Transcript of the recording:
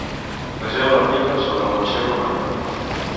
Vegeu l'article sobre la mansió romana.